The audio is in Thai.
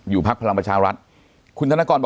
อยู่ภาคพลังประชารัฐ